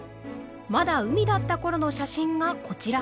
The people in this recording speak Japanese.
まだ海だった頃の写真がこちら。